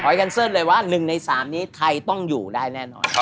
กันเซิลเลยว่า๑ใน๓นี้ไทยต้องอยู่ได้แน่นอน